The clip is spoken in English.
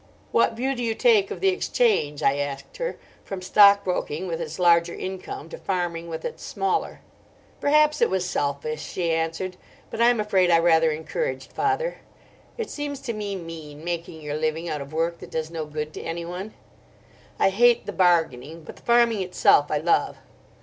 "What view do you take of the exchange," I asked her, "from stockbroking with its larger income to farming with its smaller?" "Perhaps it was selfish," she answered, "but I am afraid I rather encouraged father. It seems to me mean, making your living out of work that does no good to anyone. I hate the bargaining, but the farming itself I love.